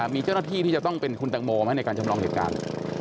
มีเจ้าหน้าที่ที่จะต้องเป็นคุณตังโมไหมในการจำลองเหตุการณ์